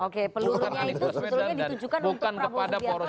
oke pelurunya itu sebetulnya ditujukan untuk prabowo sudianto dan gerindra